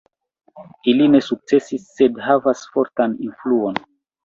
Ili ne sukcesis sed havas fortan influon.